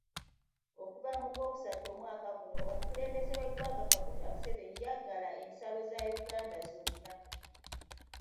Okuva mu gw'okusatu omwaka guno, omukulembeze w'eggwanga Kaguta Museveni yaggala ensalo za Uganda zonna.